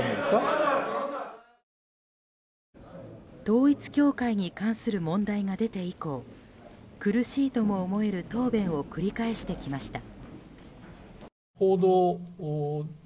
統一教会に関する問題が出て以降苦しいとも思える答弁を繰り返してきました。